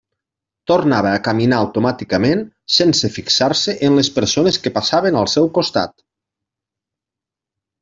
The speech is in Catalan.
Tornava a caminar automàticament, sense fixar-se en les persones que passaven al seu costat.